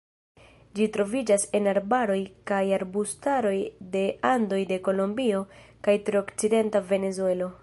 Ĝi troviĝas en arbaroj kaj arbustaroj de Andoj de Kolombio kaj tre okcidenta Venezuelo.